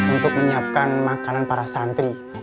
untuk menyiapkan makanan para santri